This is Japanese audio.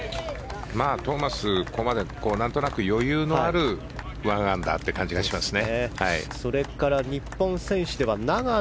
トーマス、ここまで何となく余裕のある１アンダーという感じがしますね。